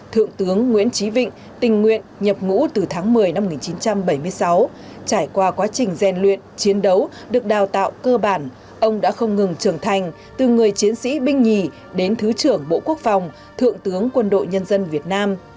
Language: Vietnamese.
thượng tướng nguyễn trí vịnh tình nguyện nhập ngũ từ tháng một mươi năm một nghìn chín trăm bảy mươi sáu trải qua quá trình gian luyện chiến đấu được đào tạo cơ bản ông đã không ngừng trưởng thành từ người chiến sĩ binh nhì đến thứ trưởng bộ quốc phòng thượng tướng quân đội nhân dân việt nam